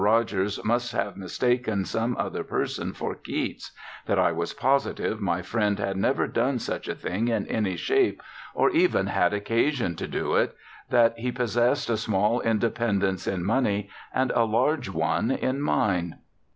Rogers must have mistaken some other person for Keats, that I was positive my friend had never done such a thing in any shape, or even had occasion to do it, that he possessed a small independence in money, and a large one in mind.